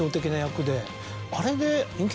あれで。